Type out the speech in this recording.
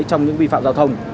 trong những vi phạm giao thông